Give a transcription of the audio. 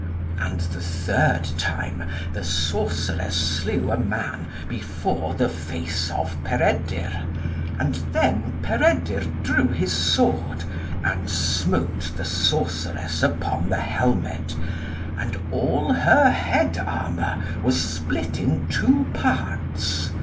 And the third time the sorceress slew a man before the face of Peredur, and then Peredur drew his sword, and smote the sorceress on the helmet, and all her head armour was split in two parts.